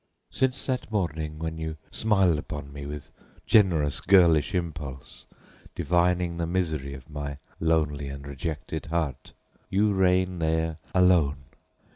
Since that morning when you smiled upon me with generous girlish impulse, divining the misery of my lonely and rejected heart, you reign there alone.